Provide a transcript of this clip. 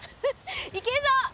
いけそう！